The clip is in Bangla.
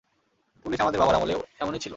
পুলিশ আমাদের বাবার আমলেও এমনই ছিল।